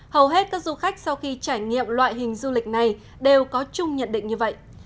hầu hết các du khách sau khi trải nghiệm loại hình du lịch này đều có chung nhận định như vậy